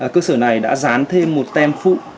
cơ sở này đã dán thêm một tem phụ